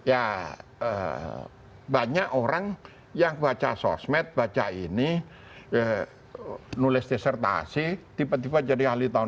ya banyak orang yang baca sosmed baca ini nulis desertasi tiba tiba jadi ahli tahun dua ribu